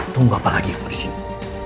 tunggu apa lagi kamu disini